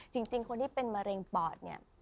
จริงคนที่เป็นมะเร็งปอดเนี่ย